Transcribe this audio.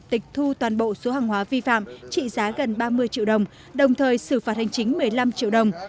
tịch thu toàn bộ số hàng hóa vi phạm trị giá gần ba mươi triệu đồng đồng thời xử phạt hành chính một mươi năm triệu đồng